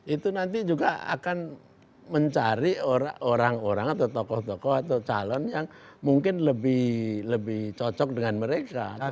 itu nanti juga akan mencari orang orang atau tokoh tokoh atau calon yang mungkin lebih cocok dengan mereka